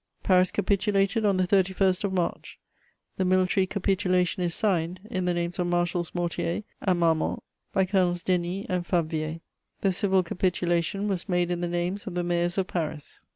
Paris capitulated on the 31st of March: the military capitulation is signed, in the names of Marshals Mortier; and Marmont, by Colonels Denys and Fabvier; the civil capitulation was made in the names of the mayors of Paris.